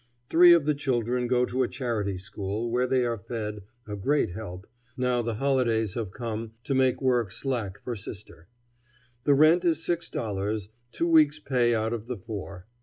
Three of the children go to a charity school, where they are fed, a great help, now the holidays have come to make work slack for sister. The rent is six dollars two weeks' pay out of the four.